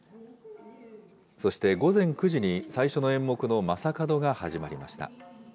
そして午前９時に最初の演目の将門が始まりました。